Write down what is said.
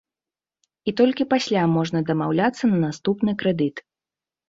І толькі пасля можна дамаўляцца на наступны крэдыт.